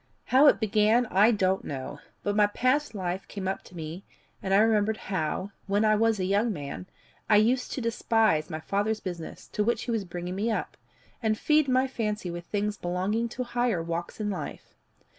How it began I don't know, but my past life came up to me, and I remembered how, when I was a young man, I used to despise my father's business, to which he was bringing me up, and feed my fancy with things belonging to higher walks in life.